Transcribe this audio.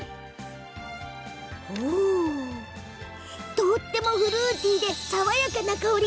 とってもフルーティーで爽やかな香り。